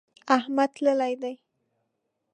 احمد تللی دی.